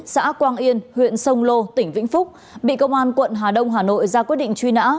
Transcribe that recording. xã quang yên huyện sông lô tỉnh vĩnh phúc bị công an quận hà đông hà nội ra quyết định truy nã